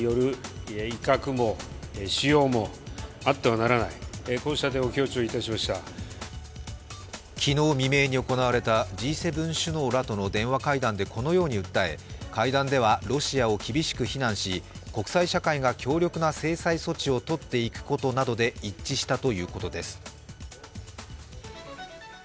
また、日本の岸田総理は昨日未明に行われたＧ７首脳らとの電話会談でこのように訴え会談ではロシアを厳しく非難し国際社会が強力な制裁措置をとっていくことなどで一致したということです。